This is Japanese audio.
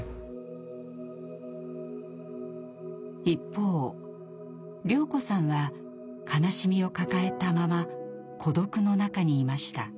一方綾子さんは悲しみを抱えたまま孤独の中にいました。